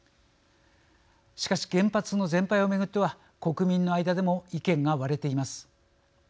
しかし原発の全廃を巡っては国民の間でも意見が割れています。